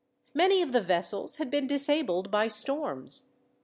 Many of the vessels had been disabled by storms.